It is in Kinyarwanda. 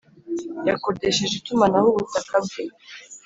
yakodesheje itumanaho ubutaka bwe